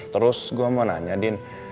terus gue mau nanya din